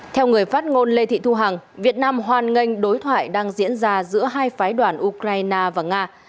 theo người phát ngôn lê thị thu hằng việt nam hoan nghênh đối thoại đang diễn ra giữa hai phái đoàn ukraine và nga